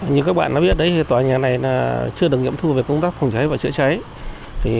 như các bạn đã biết tòa nhà này chưa được nghiệm thu về công tác phòng cháy và chữa cháy